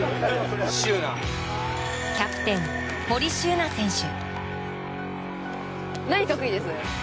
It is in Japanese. キャプテン、堀柊那選手。